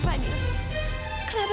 kamila kamu dengar apa